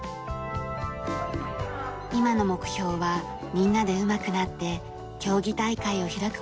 今の目標はみんなでうまくなって競技大会を開く事だそうです。